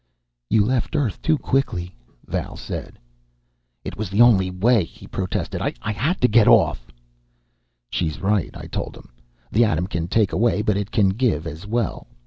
"You left Earth too quickly," Val said. "It was the only way," he protested. "I had to get off " "She's right," I told him. "The atom can take away, but it can give as well.